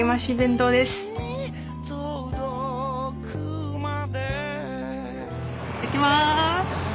行ってきます。